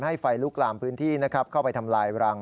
ให้ไฟลุกลามพื้นที่นะครับเข้าไปทำลายรัง